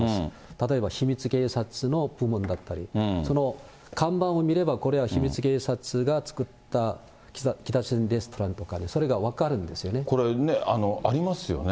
例えば秘密警察の部門だったり、その看板を見れば、これは秘密警察が作った北朝鮮レストランとかって、これ、ありますよね。